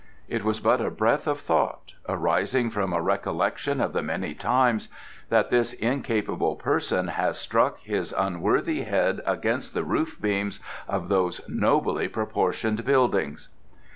"It was but a breath of thought, arising from a recollection of the many times that this incapable person has struck his unworthy head against the roof beams of those nobly proportioned buildings."